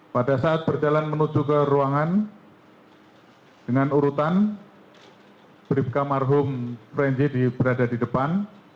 pada saat berjalan menuju ke ruangan dengan urutan bribka marhum frenji berada di depan